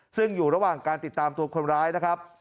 ซึ่งอยู่ระหว่างการติดตามตัวคนร้ายนะครับ